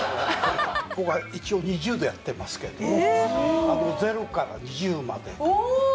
僕は一応２０でやってますけど０から２０までおお！